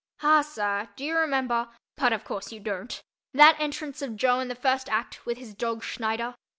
Ah, sir, do you remember (but, of course, you don't) that entrance of Joe in the first act with his dog Schneider?